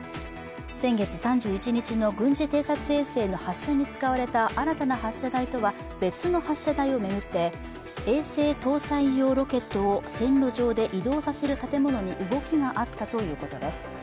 先月３１日の軍事偵察衛星の発射に使われた新たな発射台とは別の発射台を巡って衛星搭載用ロケットを線路上で移動させる建物に動きがあったということです。